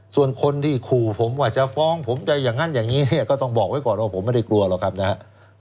ส่วนคนที่ขู่ผมว่าจะฟ้องผมจะอย่างนั้นอย่างนี้เนี่ยก็ต้องบอกไว้ก่อนว่าผมไม่ได้กลัวหรอกครับนะครับ